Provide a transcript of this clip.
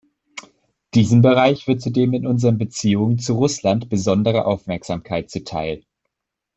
Diesem Bereich wird zudem in unseren Beziehungen zu Russland besondere Aufmerksamkeit zuteil.